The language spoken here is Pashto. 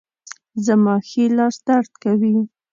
زما ښي لاس درد کوي